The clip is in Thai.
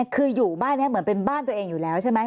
คืออยู่บ้านนี้เหมือนเป็นบ้านตัวเองอยู่แล้วใช่ไหม